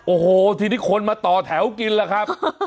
โอ้โหทีนี้คนมาต่อแถวกินล่ะครับ